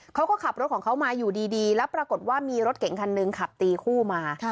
เขาก็ขับรถของเขามาอยู่ดีแล้วปรากฏว่ามีรถเก่งคันหนึ่งขับตีคู่มา